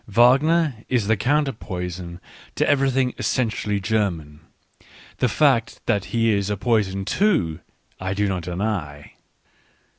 Wagner is the counter poison to everything essentially German — the fact that he is a poison too, I do not deny.